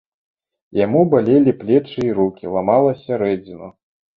Яму балелі плечы і рукі, ламала сярэдзіну.